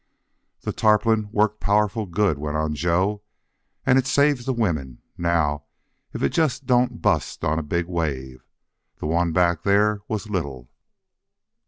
"That tarpaulin worked powerful good," went on Joe. "And it saves the women. Now if it just don't bust on a big wave! That one back there was little."